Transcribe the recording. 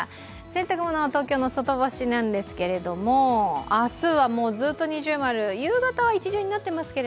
洗濯物、東京の外干しなんですが、明日は二重丸、夕方は一重になっていまずか、